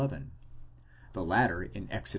the latter in Exod.